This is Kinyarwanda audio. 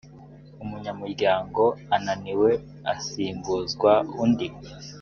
umunyamuryango ananiwe asimbuzwa undi.